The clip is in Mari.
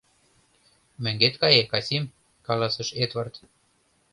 — Мӧҥгет кае, Касим, — каласыш Эдвард.